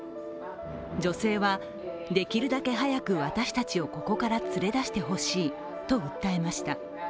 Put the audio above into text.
女性は、できるだけ早く私たちをここから連れ出してほしいと訴えました。